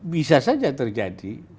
bisa saja terjadi